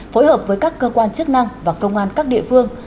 phối hợp với các cơ quan chức năng và công an các địa phương